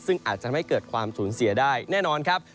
ซึ่งอาจจะไม่เกิดความสูญเสียได้แน่นอนครับ